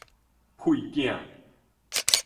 屁囝